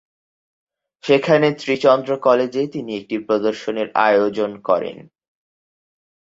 সেখানে ত্রি-চন্দ্র কলেজে তিনি একটি প্রদর্শনীর আয়োজন করেন।